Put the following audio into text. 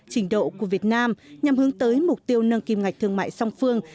trình độ của việt nam nhằm hướng tới mục tiêu nâng kim ngạch thương mại song phương